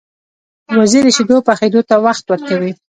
وزې د شیدو پخېدو ته وخت ورکوي